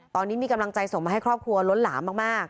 ตอนนี้มีกำลังใจส่งมาให้ครอบครัวล้นหลามมาก